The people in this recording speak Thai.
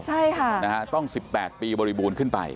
ใช่ค่ะนะฮะต้อง๑๘ปีบริบูรณ์ขึ้นไป